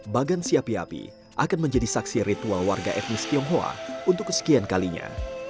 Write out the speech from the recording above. bagan siapi api akan menjadi saksi ritual warga etnis tionghoa untuk kesekian kalinya